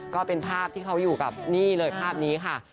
ก็เป็นภาพที่เขาอยู่กับนี่เลยภาพนี้ค่ะ